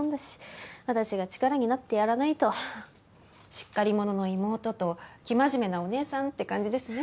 しっかり者の妹と生真面目なお姉さんって感じですね。